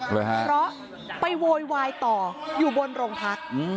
เพราะไปโวยวายต่ออยู่บนโรงพัก